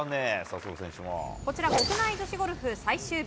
こちら、国内女子ゴルフ最終日。